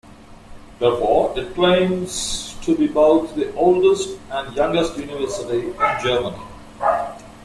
Therefore it claims to be both the oldest and youngest university in Germany.